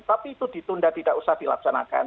tapi itu ditunda tidak usah dilaksanakan